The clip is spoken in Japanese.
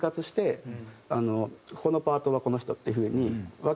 ここのパートはこの人っていう風に分けて。